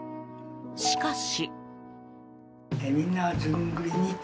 しかし。